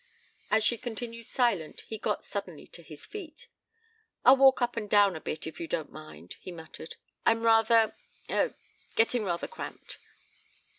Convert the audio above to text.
As she continued silent, he got suddenly to his feet. "I'll walk up and down a bit, if you don't mind," he muttered. "I'm rather ah getting rather cramped."